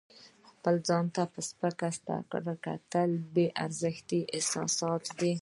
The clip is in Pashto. خپل ځان ته په سپکه کتل بې ارزښته احساسات دي.